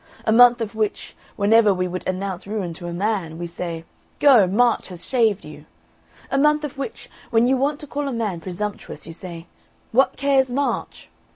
A month of which, whenever we would announce ruin to a man, we say, Go, March has shaved you!' A month of which, when you want to call a man presumptuous, you say, What cares March?'